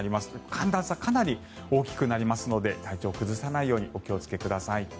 寒暖差かなり大きくなりますので体調を崩さないようにお気をつけください。